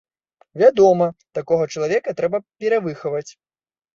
Вядома, такога чалавека трэба перавыхаваць.